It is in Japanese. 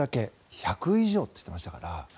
１００以上といっていましたから。